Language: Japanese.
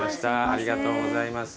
ありがとうございます。